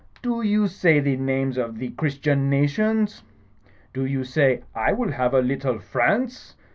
Do you say the names of the Christian Nations? Do you say, *I will have a little France.